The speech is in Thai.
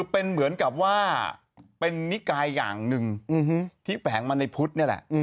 เป็นนิกายอย่างนึงที่แผงมาในพุทธ